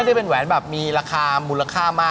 จะมีสมัย